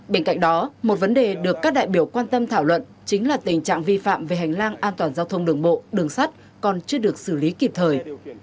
bên cạnh đó một vấn đề được các đại biểu quan tâm thảo luận chính là tình trạng vi phạm về hành lang an toàn giao thông đường bộ đường sắt còn chưa được xử lý kịp thời